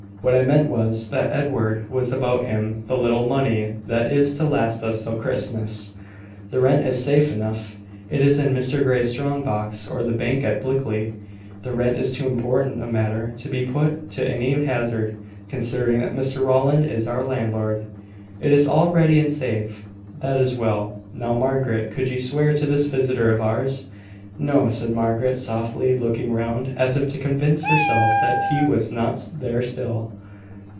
What I meant was, that Edward has about him the little money that is to last us till Christmas. The rent is safe enough. It is in Mr Grey's strong box or the bank at Blickley. The rent is too important a matter to be put to any hazard, considering that Mr Rowland is our landlord. It is all ready and safe." "That is well. Now, Margaret, could you swear to this visitor of ours?" "No," said Margaret, softly, looking round, as if to convince herself that he was not there still.